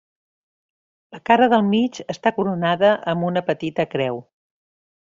La cara del mig està coronada amb una petita creu.